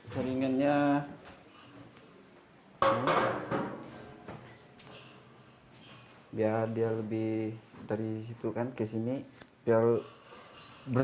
saringannya biar lebih dari situ kan ke sini biar lebih murni